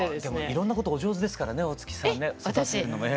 いろんなことお上手ですからね大月さんね。